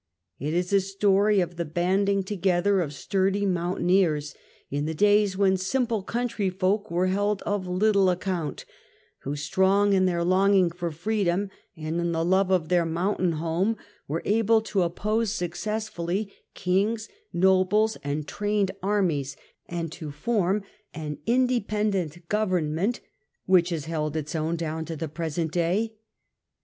It is a story of the banding together of sturdy mountain eers, in the days when simple country folk were held of little account, who, strong in their longing for free dom and in the love of their mountain home, were able to oppose successfully kings, nobles and trained armies, and to form an independent government which has held its own down to the present day.